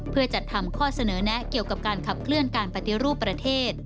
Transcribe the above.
เพื่อจัดทำข้อเสนอแนะเกี่ยวกับการขับเคลื่อนการปฏิรูปประเทศ